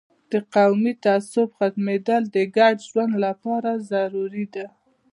د قومي تعصب ختمیدل د ګډ ژوند لپاره ضروري ده.